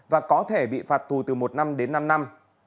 và có thể bị phạt tù từ một năm đến năm năm